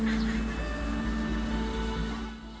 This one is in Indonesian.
kami menguatkan kapasitas